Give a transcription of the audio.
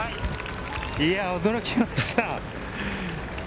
いや、驚きました。